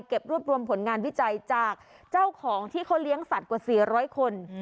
รวบรวมผลงานวิจัยจากเจ้าของที่เขาเลี้ยงสัตว์กว่า๔๐๐คน